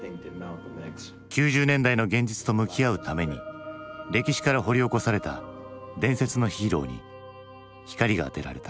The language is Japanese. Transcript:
９０年代の現実と向き合うために歴史から掘り起こされた伝説のヒーローに光が当てられた。